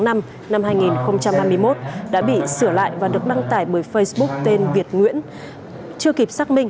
năm hai nghìn hai mươi một đã bị sửa lại và được đăng tải bởi facebook tên việt nguyễn chưa kịp xác minh